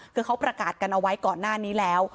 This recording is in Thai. คือเขาประกาศกันเอาไว้ก่อนหน้านี้แล้ว